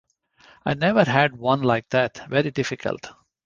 I never had one like that, very difficult.